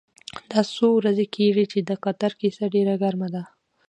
دا څو ورځې کېږي چې د قطر کیسه ډېره ګرمه ده.